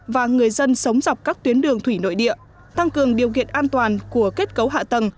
và người dân sống dọc các tuyến đường thủy nội địa tăng cường điều kiện an toàn của kết cấu hạ tầng